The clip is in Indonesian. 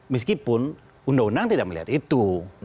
meskipun undang undang tidak melihat itu